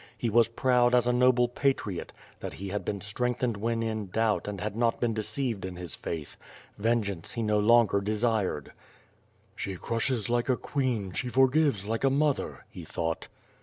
He was proud as a no])le patriot, that he had been strength ened when in doubt and had not been decieved in his faith. Vengeance he no longer desired. "She crushes like a queen, she forgives like a mother," he thought.